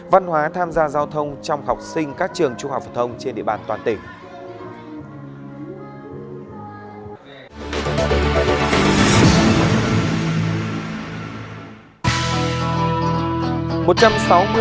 văn hóa tham gia giao thông trong học sinh các trường trung học phổ thông trên địa bàn toàn tỉnh